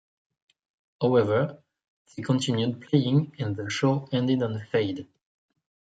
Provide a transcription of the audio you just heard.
However, they continued playing and the show ended on a fade.